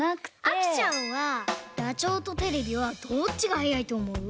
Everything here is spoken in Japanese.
あきちゃんはダチョウとテレビはどっちがはやいとおもう？